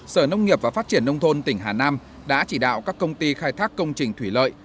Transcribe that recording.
sở nông nghiệp và phát triển nông thôn tỉnh hà nam đã chỉ đạo các công ty khai thác công trình thủy lợi